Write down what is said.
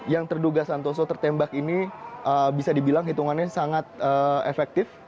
yang terduga santoso tertembak ini bisa dibilang hitungannya sangat efektif